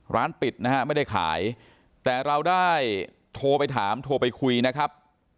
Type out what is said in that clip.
ร้านปิดนะฮะไม่ได้ขายแต่เราได้โทรไปถามโทรไปคุยนะครับ